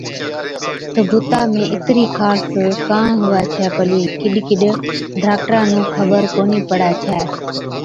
تہ بُتا ۾ اِترِي خارس ڪان هُوَي ڇَي پلِي۔ ڪِڏ ڪِڏ ڊاڪٽرا نُون خبر ڪونهِي پڙَي ڇَي،